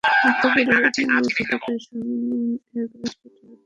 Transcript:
মৃত্যুপুরীর অগ্নিময় ফটকে শুনুন এক রাজপুত্রের প্রতিশোধের আগুন নেভার আওয়াজ।